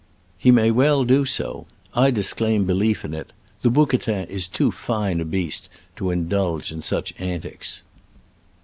He may well do so. I disclaim behef in it — the bouquetin is too fine a beast to indulge in such antics.